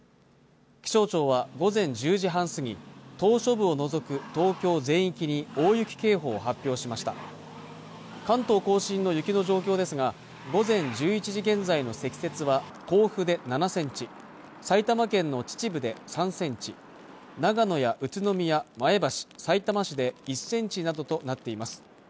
気象庁は午前１０時半過ぎ島しょ部を除く東京全域に大雪警報を発表しました関東甲信の雪の状況ですが午前１１時現在の積雪は甲府で７センチ埼玉県の秩父で３センチ長野や宇都宮前橋、さいたま市で１センチなどとなっています